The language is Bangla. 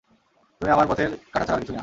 তুমি আমার পথের কাঁটা ছাড়া আর কিছুই না!